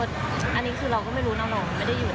คนนั้นอะมาเดินเชินโทรศัพท์แล้วโทรศัพท์พี่เขาก็ร่วง